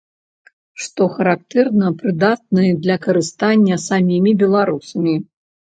Што характэрна, прыдатная для карыстання самімі беларусамі.